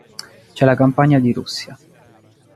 C'è la campagna di Russia.